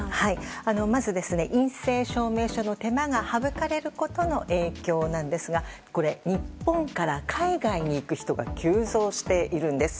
まず、陰性証明書の手間が省かれることの影響なんですがこれ日本から海外に行く人が急増しているんです。